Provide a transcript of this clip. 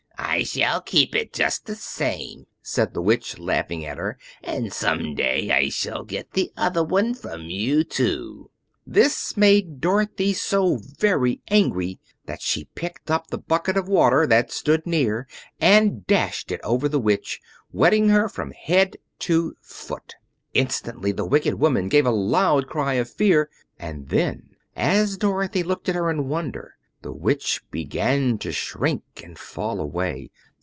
"I shall keep it, just the same," said the Witch, laughing at her, "and someday I shall get the other one from you, too." This made Dorothy so very angry that she picked up the bucket of water that stood near and dashed it over the Witch, wetting her from head to foot. Instantly the wicked woman gave a loud cry of fear, and then, as Dorothy looked at her in wonder, the Witch began to shrink and fall away.